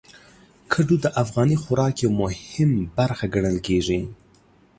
کدو د افغاني خوراک یو مهم برخه ګڼل کېږي.